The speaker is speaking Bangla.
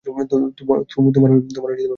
তোমার পাওয়ার নেই?